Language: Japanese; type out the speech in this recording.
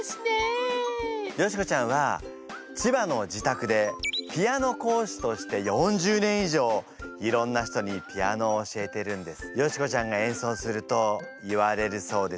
ヨシコちゃんは千葉の自宅でピアノ講師として４０年以上いろんな人にピアノを教えてるんです。